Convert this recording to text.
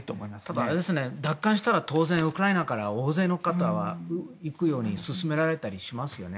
ただ、奪還したら当然、ウクライナから大勢の方が行くように勧められたりしますよね